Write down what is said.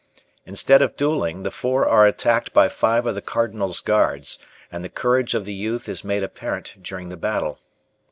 Instead of dueling, the four are attacked by five of the Cardinal's guards, and the courage of the youth is made apparent during the battle.